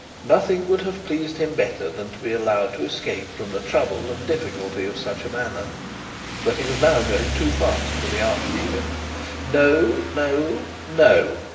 Nothing would have pleased him better than to be allowed to escape from the trouble and difficulty in such a manner. But he was now going too fast for the archdeacon. 'No no no!